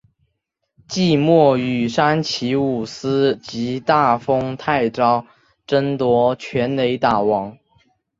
季末与山崎武司及大丰泰昭争夺全垒打王。